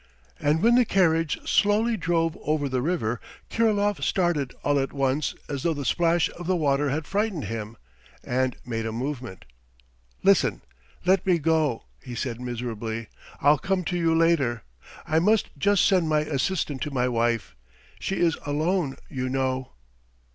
And when the carriage slowly drove over the river, Kirilov started all at once as though the splash of the water had frightened him, and made a movement. "Listen let me go," he said miserably. "I'll come to you later. I must just send my assistant to my wife. She is alone, you know!"